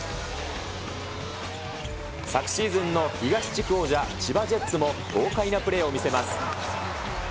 昨シーズンの東地区王者、千葉ジェッツも、豪快なプレーを見せます。